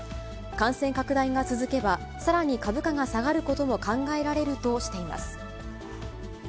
感染拡大が続けば、さらに株価が下がることも考えられるとしています。